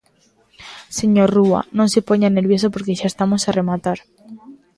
Señor Rúa, non se poña nervioso porque xa estamos a rematar.